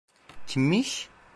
Kimmiş?